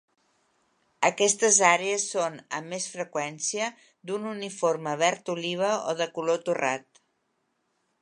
Aquestes àrees són, amb més freqüència, d'un uniforme verd oliva o de color torrat.